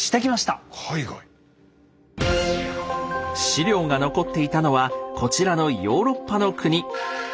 史料が残っていたのはこちらのヨーロッパの国。